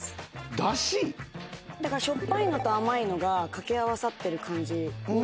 しょっぱいのと甘いのが掛け合わさってる感じになってて。